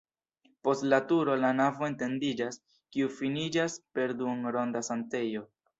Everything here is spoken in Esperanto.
Post la turo la navo etendiĝas, kiu finiĝas per duonronda sanktejo.